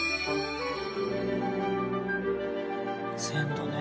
鮮度ね。